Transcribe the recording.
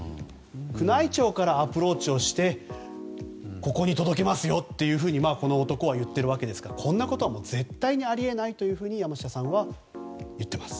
宮内庁からアプローチをしてここに届きますよとこの男は言っているわけですからこんなことは絶対にあり得ないと山下さんは言っています。